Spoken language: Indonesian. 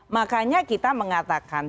makanya kita mengatakan